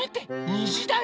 にじだよ。